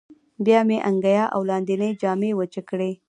بیا مې انګیا او لاندینۍ جامې وچې کړې.